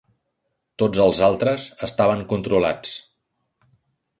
Tots els altres estaven controlats.